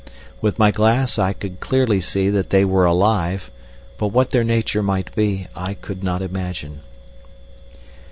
With my glass I could clearly see that they were alive, but what their nature might be I could not imagine.